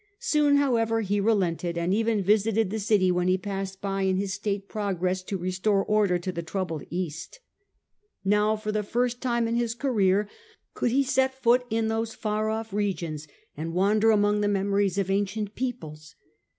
Soon, however, he relented, and even visited the city, when he passed by in his state progress to restore order to the troubled East. Now for the first time in his career could he set foot in those far off regions, and wander among the memories of ancient peoples.